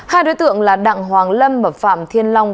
hai đối tượng là đặng hoàng lâm và phạm thiên long